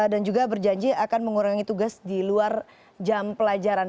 dan juga berjanji akan mengurangi tugas di luar jam pelajaran